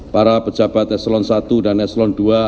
para pejabat eslon i dan eslon ii